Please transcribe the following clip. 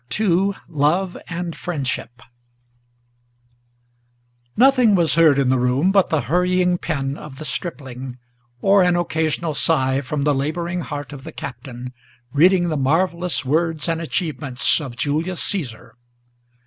II LOVE AND FRIENDSHIP Nothing was heard in the room but the hurrying pen of the stripling, Or an occasional sigh from the laboring heart of the Captain, Reading the marvellous words and achievements of Julius Caesar.